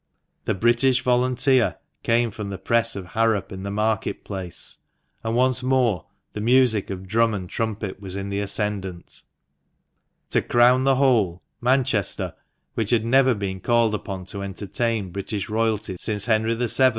"The British Volunteer" came from the press of Harrop in the Market Place, and once more the music of drum and trumpet was in the ascendant To crown the whole, Manchester, which had never been called upon to entertain British Royalty since Henry VII.